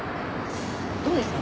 どうですかね？